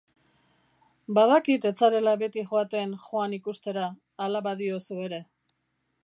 Badakit ez zarela beti joaten Joan ikustera, hala badiozu ere.